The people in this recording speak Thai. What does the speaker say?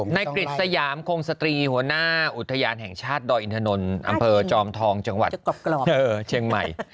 กฤษยามคงสตรีหัวหน้าอุทยานแห่งชาติดอยอินทนนท์อำเภอจอมทองจังหวัดเชียงใหม่